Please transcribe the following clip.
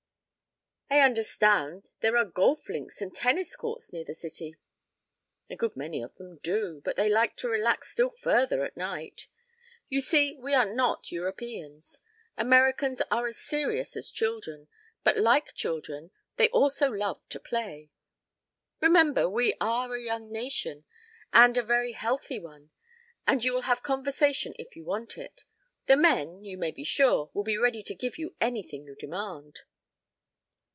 I understand there are golf links and tennis courts near the city." "A good many of them do. But they like to relax still further at night. You see we are not Europeans. Americans are as serious as children, but like children they also love to play. Remember, we are a young nation and a very healthy one. And you will have conversation if you want it. The men, you may be sure, will be ready to give you anything you demand."